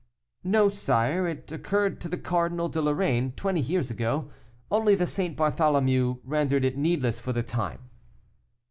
"No, sire, it occurred to the Cardinal de Lorraine twenty years ago, only the St. Bartholomew rendered it needless for the time."